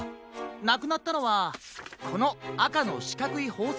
なくなったのはこのあかのしかくいほうせきケースです。